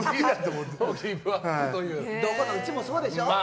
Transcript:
どこのうちもそうでしょう。